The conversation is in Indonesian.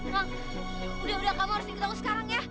bang udah udah kamu harus ingin ketahuan sekarang ya